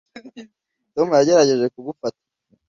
tom yagerageje kugufata